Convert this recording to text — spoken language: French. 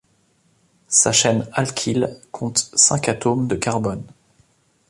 Sa chaine alkyle compte cinq atomes de carbone.